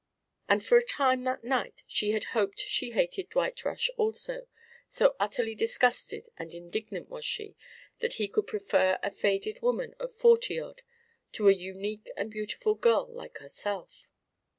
And for a time that night she had hoped she hated Dwight Rush also, so utterly disgusted and indignant was she that he could prefer a faded woman of forty odd to a unique and beautiful girl like herself.